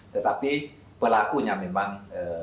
tetapi pelakunya memang